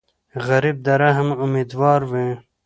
غریب د رحم امیدوار وي